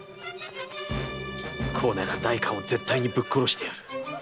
こうなりゃ代官を絶対にぶっ殺してやる。